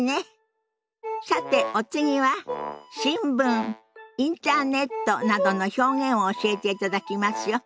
さてお次は「新聞」「インターネット」などの表現を教えていただきますよ。